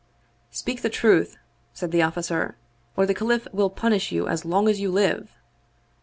"Speak the truth," said the officer, "or the ca liph will punish you as long as you live."